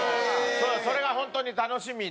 それが本当に楽しみで。